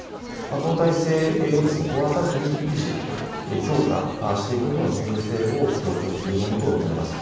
この体制を壊さずに、維持強化していくことの重要性を強調するものと見られます。